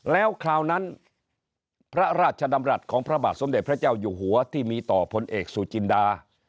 แล้วคราวนั้นพระราชดำรัฐของพระบาทสมเด็จพระเจ้าอยู่หัวที่มีต่อพลเอกสุจินดา